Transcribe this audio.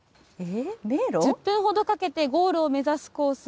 １０分ほどかけてゴールを目指すコース。